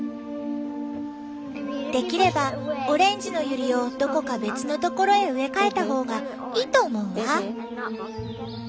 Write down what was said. できればオレンジのユリをどこか別の所へ植え替えた方がいいと思うわ。